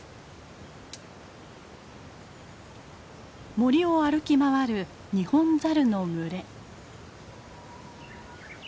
森を歩き回るニホンザルの群れ。